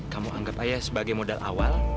kamu anggap ayah sebagai modal awal